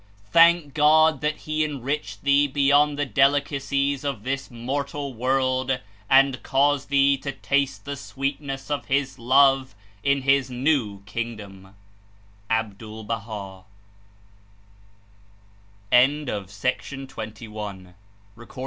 '^ ''Thank God that He enriched thee beyond the delicacies of this mortal zvorld and caused thee to taste the sweetness of His Love in His New Kingdom.'' (Abdul Baha'.)